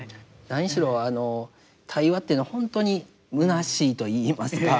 何しろ対話というのはほんとにむなしいと言いますか。